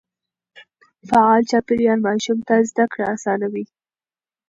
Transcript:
فعال چاپېريال ماشوم ته زده کړه آسانوي.